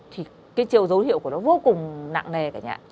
thì cái chiều dấu hiệu của nó vô cùng nặng nề cả